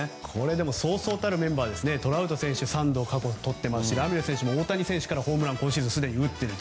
そうそうたるメンバートラウト選手過去３度とっていますしラミレス選手は大谷選手からホームランを今シーズンすでに打っている。